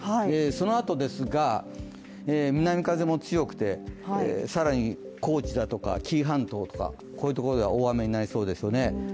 そのあとですが、南風も強くて、更に高知だとか紀伊半島とかこういうところでは大雨になりそうですよね。